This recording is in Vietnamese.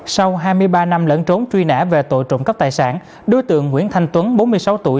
sau hai mươi ba năm lẫn trốn truy nã về tội trộm cắp tài sản đối tượng nguyễn thanh tuấn bốn mươi sáu tuổi